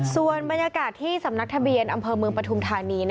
ส่วนบรรยากาศที่สำนักทะเบียนอำเภอเมืองปฐุมธานี